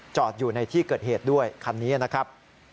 อยู่ในที่เกิดเหตุด้วยคันนี้นะครับ